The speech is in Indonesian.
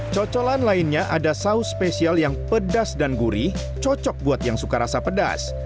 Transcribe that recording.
cocolan lainnya ada saus spesial yang pedas dan gurih cocok buat yang suka rasa pedas